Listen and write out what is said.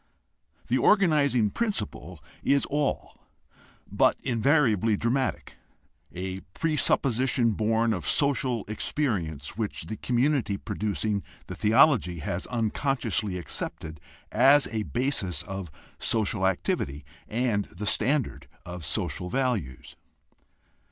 The organizing principle is all but invariably dramatic, a presupposition born of social experience which the community producing the theology has unconsciously accepted as a basis of social activity and the standard of social values.